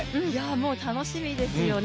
もう楽しみですよね。